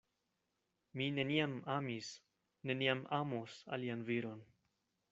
Mi neniam amis, neniam amos alian viron.